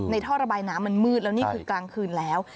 ท่อระบายน้ำมันมืดแล้วนี่คือกลางคืนแล้ว